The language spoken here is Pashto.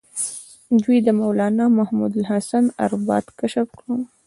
دوی د مولنا محمود الحسن ارتباط کشف کړ.